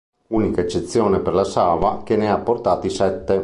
Unica eccezione per la Sava che ne ha portati sette.